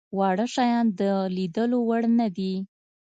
واړه شيان د ليدلو وړ نه دي.